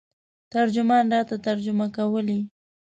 ترجمان راته ترجمه کولې.